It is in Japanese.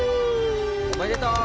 おめでとう。